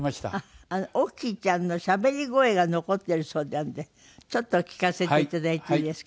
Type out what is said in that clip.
オッキーちゃんのしゃべり声が残ってるそうなんでちょっと聞かせていただいていいですか？